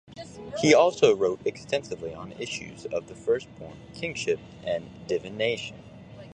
He also wrote extensively on issues of the first born, kingship, and divination.